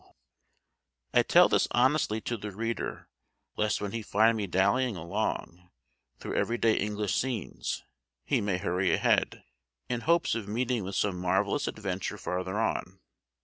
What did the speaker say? [Illustration: Stopping to Gather a Flower] I tell this honestly to the reader, lest when he find me dallying along, through every day English scenes, he may hurry ahead, in hopes of meeting with some marvellous adventure farther on.